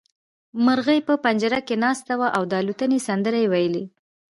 مرغۍ په پنجره کې ناسته وه او د الوتنې سندرې يې ويلې.